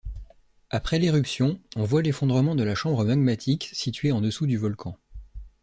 Après l'éruption on voit l'effondrement de la chambre magmatique située en dessous du volcan.